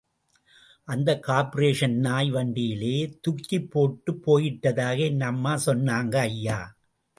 அதை கார்ப்பரேஷன் நாய் வண்டியிலே துக்கிப் போட்டுப் போயிட்டதாக என் அம்மா சொன்னாங்க... ஐயா.